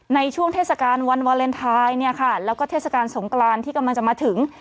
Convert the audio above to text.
ในช่วงเทศกาลวันวาเลนไทยเนี่ยค่ะแล้วก็เทศกาลสงกรานที่กำลังจะมาถึง